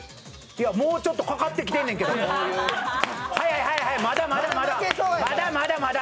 もう、ちょっとかかってきてんねんけど、まだまだ！